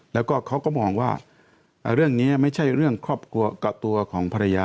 แล้วก็เขาก็มองว่าเรื่องนี้ไม่ใช่เรื่องครอบครัวกับตัวของภรรยา